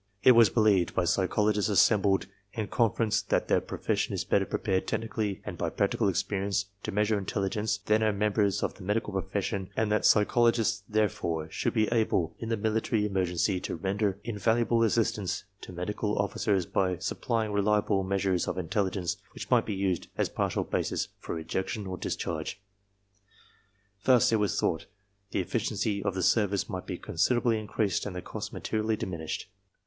It was believed by psychologists assembled in con ference that their profession is better prepared technically and by practical experience to measure intelligence than are mem bers of the medical profession and that psychologists therefore should be able in the military emergency to render invaluable assistance to medical officers by supplying reliable measures of intelligence which might be used as partial basis for rejection or discharge. Thus, it was thought, the efficiency of the service might be considerably increased and the costs materially diminished.